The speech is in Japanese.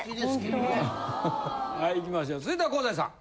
はいいきましょう続いては香西さん。